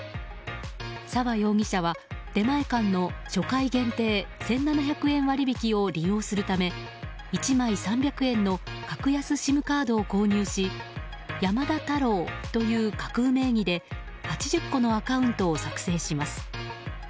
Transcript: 沢容疑者は出前館の初回限定１７００円割引を利用するため、１枚３００円の格安ＳＩＭカードを購入し山田太郎という架空名義で８０個のアカウントを作成します。